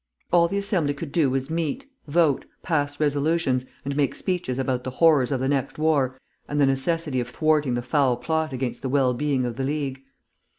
All the Assembly could do was meet, vote, pass resolutions, and make speeches about the horrors of the next war and the necessity of thwarting the foul plot against the wellbeing of the League.